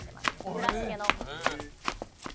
村重の。